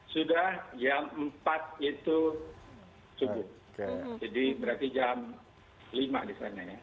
sudah jam empat itu subuh jadi berarti jam lima di sana ya